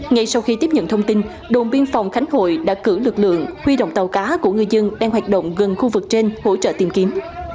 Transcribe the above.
ngay sau khi tiếp nhận thông tin đồn biên phòng khánh hội đã cử lực lượng huy động tàu cá của ngư dân đang hoạt động gần khu vực trên hỗ trợ tìm kiếm